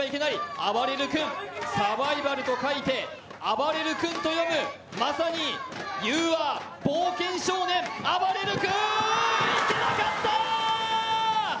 あばれる君、サバイバルと書いてあばれる君と読む、まさにユー・アー・冒険少年、あばれる君！